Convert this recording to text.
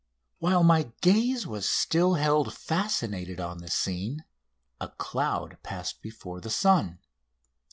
While my gaze was still held fascinated on the scene a cloud passed before the sun.